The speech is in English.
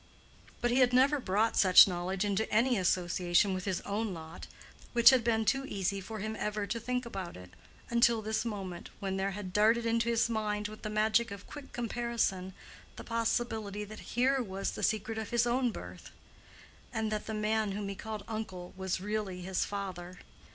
But he had never brought such knowledge into any association with his own lot, which had been too easy for him ever to think about it—until this moment when there had darted into his mind with the magic of quick comparison, the possibility that here was the secret of his own birth, and that the man whom he called uncle was really his father.